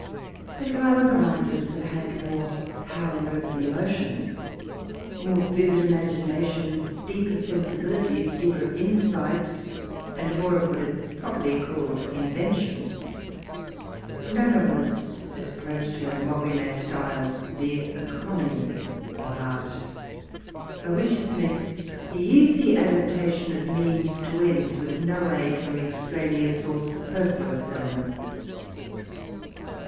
Bat while other writers have had more nower over the emo tions, more vivid imaginations, deep er aensibilities, deeper insight, and more of what is properly odled in vention, no novelist has approached her in what we may style the " eco nomy of art,*' by which is meant the easv adaptation of means to ends, with no aid from extraneous or sa Serflaons elements.